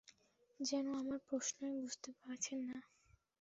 যেন আমার প্রশ্নই বুঝতে পারছেন না।